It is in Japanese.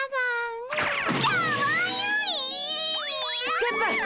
先輩！